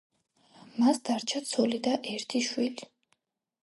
მას დარჩა ცოლი და ერთი შვილი.